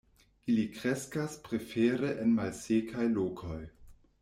Ili kreskas prefere en malsekaj lokoj.